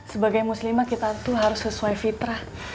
sebagai muslimah kita itu harus sesuai fitrah